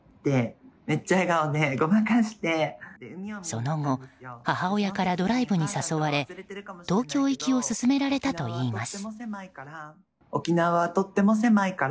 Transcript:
その後、母親からドライブに誘われ東京行きを勧められたといいます。